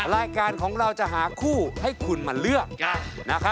รายการของเราจะหาคู่ให้คุณมาเลือก